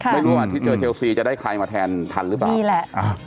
ไม่รู้ว่าวันที่เจอเชลซีจะได้ใครมาแทนทันหรือเปล่า